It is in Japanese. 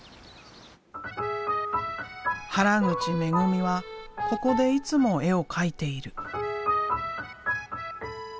原口めぐみはここでいつも絵を描いている。